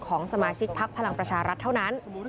ของสมาชิกพักพลังประชารัฐเท่านั้น